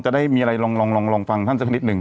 จะได้มีอะไรลองฟังท่านสักนิดหนึ่ง